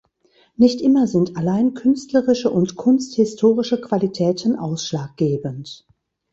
Nicht immer sind allein künstlerische und kunsthistorische Qualitäten ausschlaggebend.